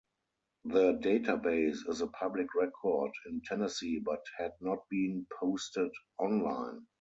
The database is a public record in Tennessee but had not been posted online.